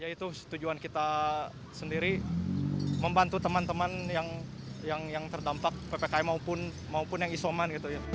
ya itu tujuan kita sendiri membantu teman teman yang terdampak ppkm maupun yang isoman